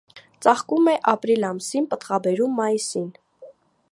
Ծաղկում է ապրիլ ամսին, պտղաբերում՝ մայիսին։